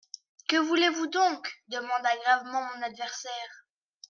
Que voulez-vous donc ? demanda gravement mon adversaire.